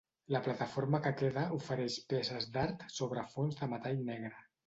La plataforma que queda ofereix peces d'art sobre fons de metall negre.